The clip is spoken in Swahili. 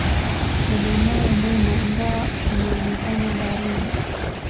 Ana moyo mwema, ingawa unaonekana baridi.